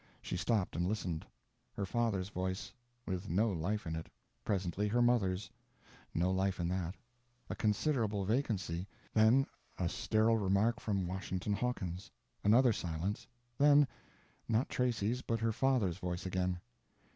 She stopped and listened. Her father's voice—with no life in it; presently her mother's—no life in that; a considerable vacancy, then a sterile remark from Washington Hawkins. Another silence; then, not Tracy's but her father's voice again.